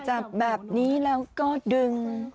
จับแบบนี้แล้วก็ดึง